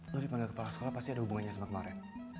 kalau dipanggil kepala sekolah pasti ada hubungannya sama kemarin